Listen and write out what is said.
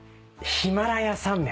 ヒマラヤ山脈。